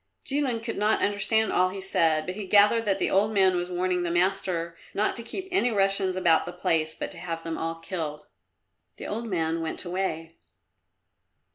Jilin could not understand all he said, but he gathered that the old man was warning the master not to keep any Russians about the place, but to have them all killed. The old man went away.